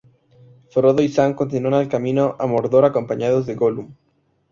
Frodo y Sam continúan el camino a Mordor acompañados de Gollum.